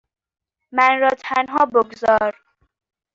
من را تنها بگذار.